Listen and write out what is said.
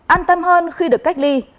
an tâm hơn khi được cách ly